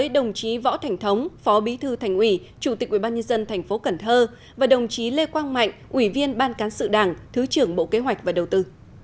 đồng chí võ thành thống phó bí thư thành ủy chủ tịch ubnd tp cần thơ và đồng chí lê quang mạnh ủy viên ban cán sự đảng thứ trưởng bộ kế hoạch và đầu tư